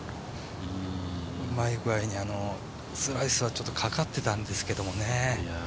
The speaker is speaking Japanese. うまいぐあいにスライスはちょっとかかってたんですけどもね。